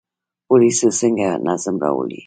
پولیس څنګه نظم راولي؟